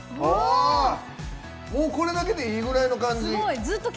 これだけでいいぐらいの感じ。